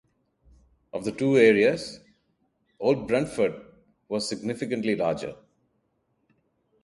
Of the two areas, Old Brentford was significantly larger.